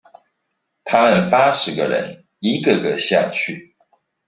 他們八十個人一個個下去